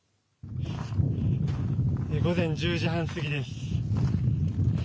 午前１０時半過ぎです。